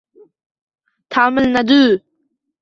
Tamilnadu